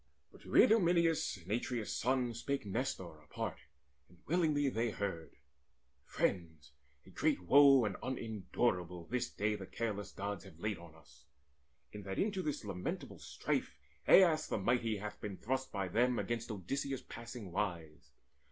But to Idomeneus and Atreus' son Spake Nestor apart, and willingly they heard: "Friends, a great woe and unendurable This day the careless Gods have laid on us, In that into this lamentable strife Aias the mighty hath been thrust by them Against Odysseus passing wise.